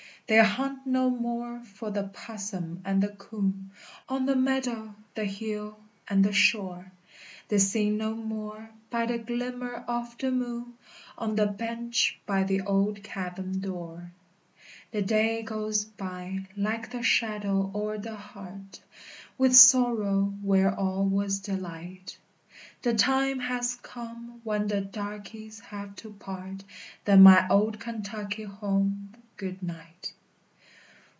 _ They hunt no more for the possum and the coon, On the meadow, the hill, and the shore; They sing no more by the glimmer of the moon, On the bench by the old cabin door; The day goes by, like the shadow o'er the heart, With sorrow where all was delight; The time has come, when the darkeys have to part, Then, my old Kentucky home, good night!